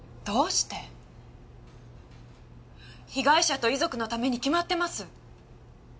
被害者と遺族のために決まってます。